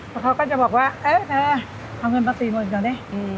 แล้วเขาก็จะบอกว่าเอ๊ะเออเอาเงินมาสี่หมดก่อนเนี้ย